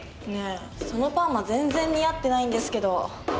ねえそのパーマ全然似合ってないんですけど。